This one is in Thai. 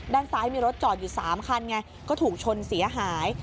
ด้านซ้ายมีรถจอดอยู่๓คันไงก็ถูกชนเสียหาย